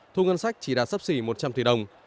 thu ngân sách chỉ đạt sấp xỉ một trăm linh tỷ đồng